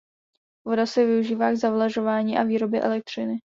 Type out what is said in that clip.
Voda se využívá k zavlažování a výrobě elektřiny.